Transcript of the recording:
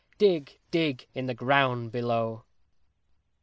_ _Dig! Dig! in the ground below!